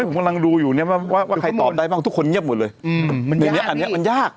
ผมกำลังดูอยู่เนี่ยว่าใครตอบได้บ้างทุกคนเงียบหมดเลยในเนี้ยอันนี้มันยาก